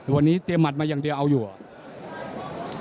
วันนี้เตรียมหัดมาอย่างเดียวเอาอยู่อ่ะ